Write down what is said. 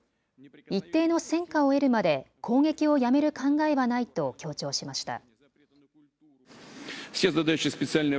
一定の戦果を得るまで攻撃をやめる考えはないと強調しました。